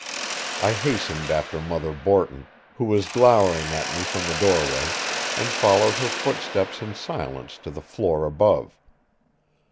I hastened after Mother Borton, who was glowering at me from the doorway, and followed her footsteps in silence to the floor above.